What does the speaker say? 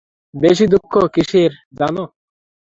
বেশি দুঃখ কিসের জানো?